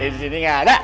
di sini nggak ada